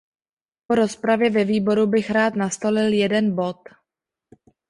Po rozpravě ve výboru bych rád nastolil jeden bod.